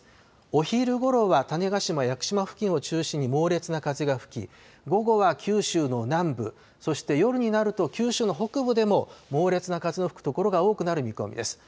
お昼ごろは種子島・屋久島付近を中心に猛烈な風が吹き午後は九州の南部そして夜になると九州の北部でも猛烈な風の吹く所が多くなる見込みです。